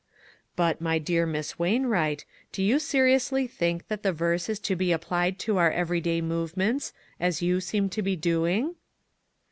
" But, my dear Miss Wainwright, do you seriously think that the verse is to be ap plied to our e very day movements, as you seem to be doing?"